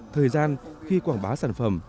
thời gian khi quảng bá sản phẩm